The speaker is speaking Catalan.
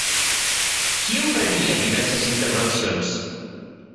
Qui emprenia diverses intervencions?